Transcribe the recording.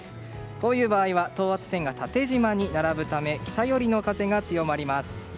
こういう場合は等圧線が縦じまに並ぶため北寄りの風が強まります。